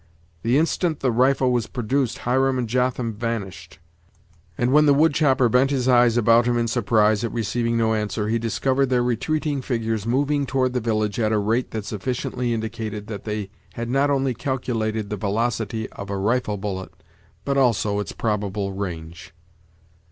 The instant the rifle was produced Hiram and Jotham vanished; and when the wood chopper bent his eyes about him in surprise at receiving no answer, he discovered their retreating figures moving toward the village at a rate that sufficiently indicated that they had not only calculated the velocity of a rifle bullet, but also its probable range.